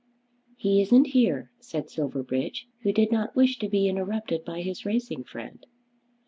"He isn't here," said Silverbridge, who did not wish to be interrupted by his racing friend.